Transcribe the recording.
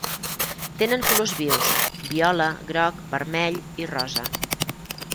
Tenen colors vius: viola, groc, vermell i rosa.